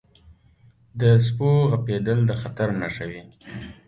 • د سپو غپېدل د خطر نښه وي.